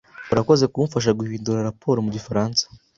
Urakoze kumfasha guhindura raporo mu gifaransa.